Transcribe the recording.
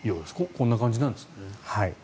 こんな感じなんですか。